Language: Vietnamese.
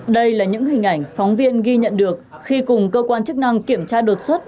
đây là những hình ảnh phóng viên ghi nhận được khi cùng cơ quan chức năng kiểm tra đột xuất